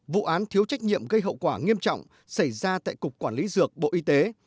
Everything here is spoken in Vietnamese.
vụ án thiếu trách nhiệm gây hậu quả nghiêm trọng xảy ra tại cục quản lý dược bộ y tế